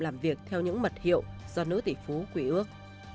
làm việc theo những mật hiệu do nữ tỷ phú quý ước